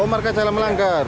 oh marka jalan melanggar